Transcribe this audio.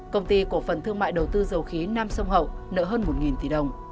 công ty cổ phần thương mại đầu tư dầu khí nam sông hậu nợ hơn một tỷ đồng